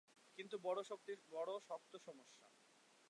কিন্তু বড়ো শক্ত সমস্যা!